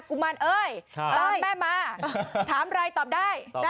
กุมารเอ้ยตามแม่มาถามอะไรตอบได้